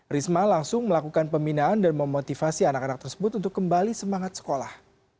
risma langsung melakukan pembinaan dan memotivasi anak anak tersebut untuk kembali semangat sekolah